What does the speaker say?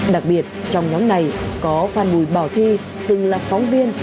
đặc biệt trong nhóm này có phan bùi bảo thi từng là phóng viên